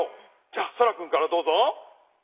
じゃあそらくんからどうぞ。